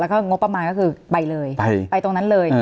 แล้วก็งบประมาณก็คือไปเลยไปตรงนั้นเลย